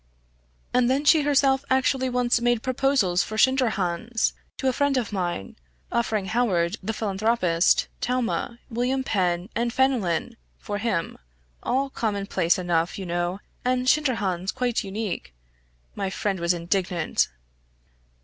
"And then she herself actually once made proposals for Schinderhannes, to a friend of mine, offering Howard, the philanthropist, Talma, William Penn, and Fenelon for him all commonplace enough, you know and Schinderhannes quite unique. My friend was indignant!"